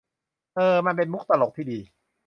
เออ มันเป็นมุกตลกที่ดี